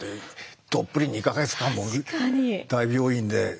どっぷり２か月間も大病院で。